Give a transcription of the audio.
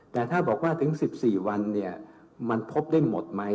แต่ถ้าบอกว่าถึง๑๔วันเนี่ยมันพบได้หมดไหม